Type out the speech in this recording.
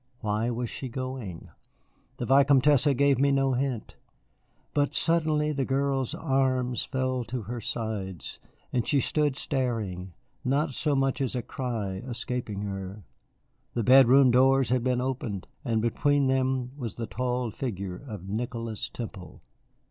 Why was she going? The Vicomtesse gave me no hint. But suddenly the girl's arms fell to her sides, and she stood staring, not so much as a cry escaping her. The bedroom doors had been opened, and between them was the tall figure of Nicholas Temple.